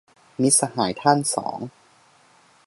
มิตรสหายท่านสอง